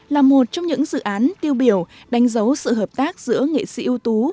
là một trong những dự án tiêu biểu đánh dấu sự hợp tác giữa nghệ sĩ ưu tú